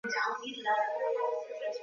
Leo kuna kazi ngumu